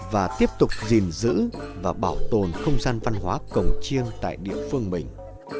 và tiếp tục gìn giữ và bảo tồn không gian văn hóa cổng chiêng tại địa phương mình